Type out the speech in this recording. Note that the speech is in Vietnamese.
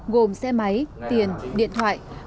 gồm xe máy tiền điện thoại